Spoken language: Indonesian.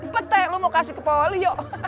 petek lo mau kasih ke pak walu yo